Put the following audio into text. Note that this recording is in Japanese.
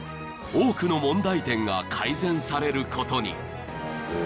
［多くの問題点が改善されることに］